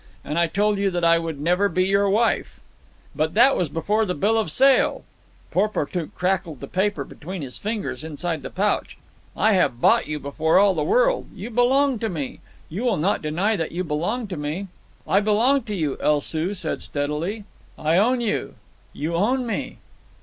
"And I told you that I would never be your wife." "But that was before the bill of sale." Porportuk crackled the paper between his fingers inside the pouch. "I have bought you before all the world. You belong to me. You will not deny that you belong to me." "I belong to you," El Soo said steadily. "I own you." "You own me."